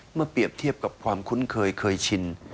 เปรียบเทียบกับความคุ้นเคยเคยชิน